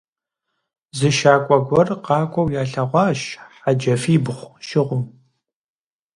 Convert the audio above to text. Зы щакӀуэ гуэр къакӀуэу ялъэгъуащ, хьэджафибгъу щӀыгъуу.